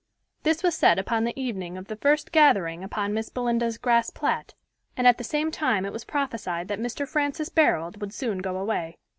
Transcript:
This was said upon the evening of the first gathering upon Miss Belinda's grass plat, and at the same time it was prophesied that Mr. Francis Barold would soon go away.